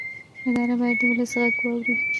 ادارې باید د ولس غږ واوري